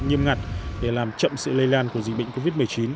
nghiêm ngặt để làm chậm sự lây lan của dịch bệnh covid một mươi chín